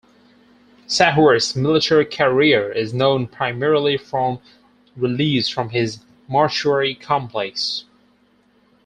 Sahure's military career is known primarily from reliefs from his mortuary complex.